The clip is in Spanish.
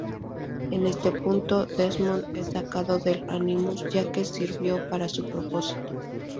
En este punto, Desmond es sacado del Animus, ya que sirvió para su propósito.